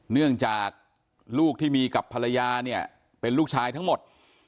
เนื่องจากลูกที่มีกับภรรยาเนี่ยเป็นลูกชายทั้งหมด